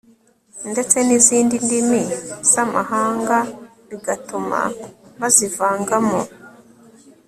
ndetse n'izindi ndimi z'amahanga, bigatuma bazivangamo